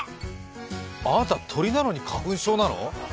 あーた鳥なのに花粉症なの？